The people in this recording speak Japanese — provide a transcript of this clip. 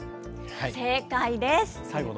正解です。